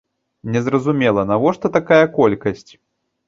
Незразумела, навошта такая колькасць.